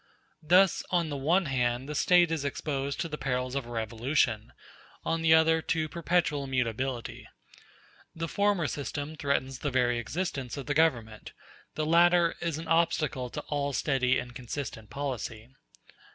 Thus, on the one hand the State is exposed to the perils of a revolution, on the other to perpetual mutability; the former system threatens the very existence of the Government, the latter is an obstacle to all steady and consistent policy.